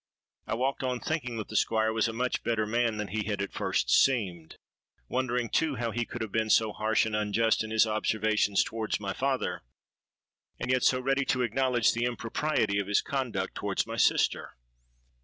I walked on, thinking that the Squire was a much better man than he had at first seemed,—wondering, too, how he could have been so harsh and unjust in his observations towards my father, and yet so ready to acknowledge the impropriety of his conduct towards my sister.